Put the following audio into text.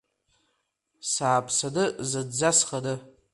Сааԥсаны, зынӡа сханы.